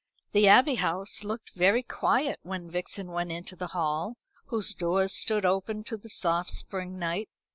The Abbey House looked very quiet when Vixen went into the hall, whose doors stood open to the soft spring night.